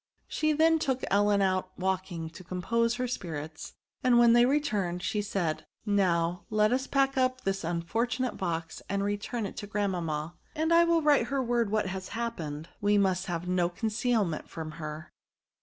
She then took Ellen out walking to compose her spirits; and, when they returned, she said, Now let us pack up this unfortunate box, and return it to grandmamma, and I will write her word of what has happened ; we must have no concealment from her."